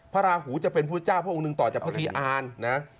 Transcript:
พระลาหูจะเป็นผู้จ้าพระองค์หนึ่งต่อจากพระศรีอานนะ